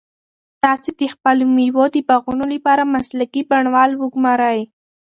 تاسو د خپلو مېوو د باغونو لپاره مسلکي بڼوال وګمارئ.